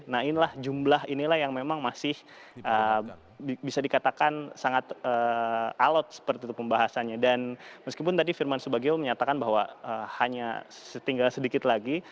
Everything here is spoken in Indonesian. nah inilah jumlah inilah yang memang masih bisa dikatakan sangat alot seperti itu pembahasannya dan meskipun tadi firman subagio menyatakan bahwa hanya tinggal sedikit lagi